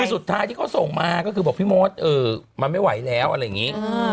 คือสุดท้ายที่เขาส่งมาก็คือบอกพี่มดมันไม่ไหวแล้วอะไรอย่างนี้